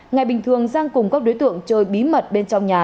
ngày bình thường giang cùng các đối tượng chơi bí mật bên trong nhà